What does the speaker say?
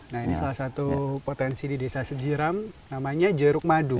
nah ini salah satu potensi di desa sejiram namanya jeruk madu